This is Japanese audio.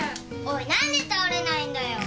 おいなんで倒れないんだよ？